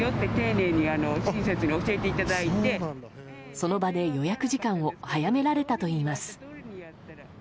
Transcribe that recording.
その場で予約時間を早められたといいます。